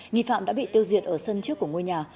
nghi phạm đã bị tiêu diệt ở sân trước của ngôi nhà